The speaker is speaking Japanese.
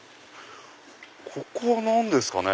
ここは何ですかね？